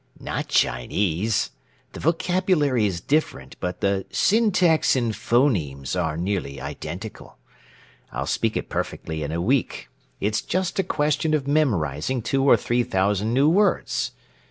"Not Chinese. The vocabulary is different but the syntax and phonemes are nearly identical. I'll speak it perfectly in a week. It's just a question of memorizing two or three thousand new words.